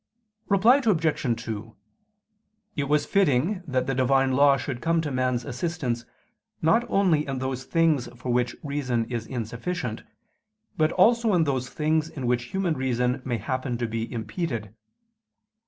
Reply Obj. 2: It was fitting that the Divine law should come to man's assistance not only in those things for which reason is insufficient, but also in those things in which human reason may happen to be impeded.